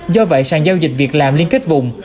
do vậy sàn giao dịch việc làm liên kết vùng